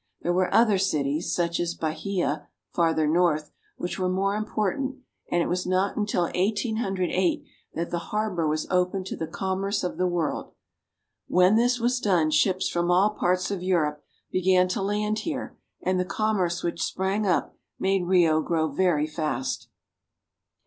There were other cities, such as Bahia, farther north, which were much more important, and it was not until 1808 that the harbor was opened to the commerce of the world. When this was done ships from all parts of Europe began to land here, and the commerce which sprang up made Rio grow very fast.